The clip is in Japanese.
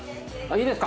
いいです。